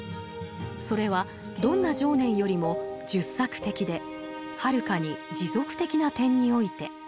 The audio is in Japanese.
それはどんな情念よりも術策的ではるかに持続的な点において。